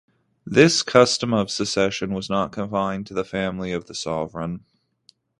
This custom of succession was not confined to the family of the sovereign.